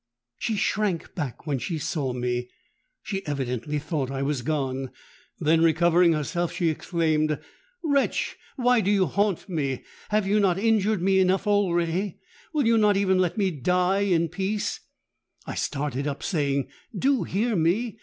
She shrank back when she saw me—she evidently thought I was gone. Then, recovering herself, she exclaimed, 'Wretch! why do you haunt me? Have you not injured me enough already? Will you not even let me die in peace?'—I started up, saying, 'Do hear me!